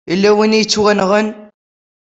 Yella win i yettwanɣan.